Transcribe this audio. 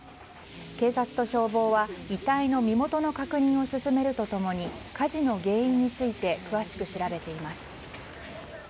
警察と消防は遺体の身元の確認を進めると共に火事の原因について詳しく調べています。